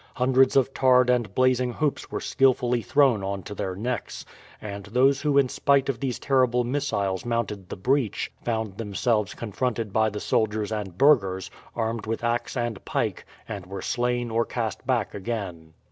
Hundreds of tarred and blazing hoops were skilfully thrown on to their necks, and those who in spite of these terrible missiles mounted the breach, found themselves confronted by the soldiers and burghers, armed with axe and pike, and were slain or cast back again.